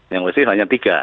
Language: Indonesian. yang berarti hanya tiga